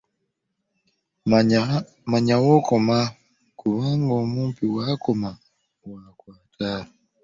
Manya w'okoma kubanga omumpi w'akoma w'akwata.